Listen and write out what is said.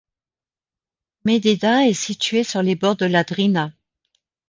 Međeđa est située sur les bords de la Drina.